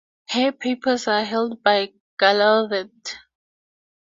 Her papers are held by Gallaudet.